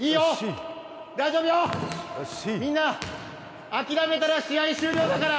みんな諦めたら試合終了だから。